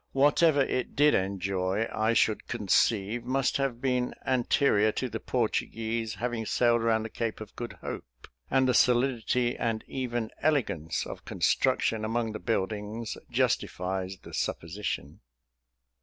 Whatever it did enjoy, I should conceive must have been anterior to the Portuguese having sailed round the Cape of Good Hope; and the solidity and even elegance of construction among the buildings justifies the supposition.